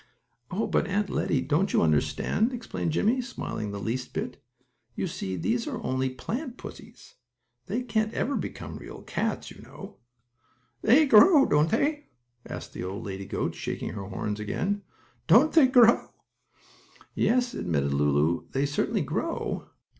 "Oh, but Aunt Lettie, you don't understand," explained Jimmie, smiling the least bit. "You see these are only plant pussies. They can't ever become real cats you know." "They grow, don't they?" asked the old lady goat, shaking her horns again, "Don't they grow?" "Yes," admitted Lulu. "They certainly grow."